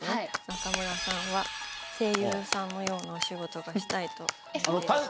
中村さんは声優さんのようなお仕事がしたいと思っていますが。